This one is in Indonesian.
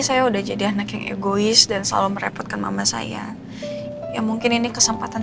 saya udah jadi anak yang egois dan selalu merepotkan mama saya ya mungkin ini kesempatan